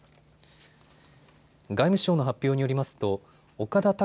外務省の発表によりますと岡田隆